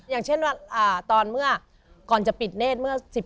อย่างเช่นว่าตอนเมื่อก่อนจะปิดเนธเมื่อ๑๕